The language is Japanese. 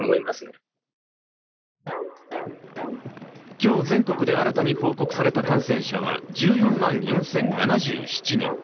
今日、全国で新たに報告された感染者は１４万４０７７人。